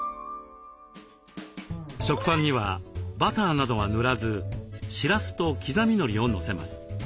食パンにはバターなどは塗らずしらすときざみのりをのせます。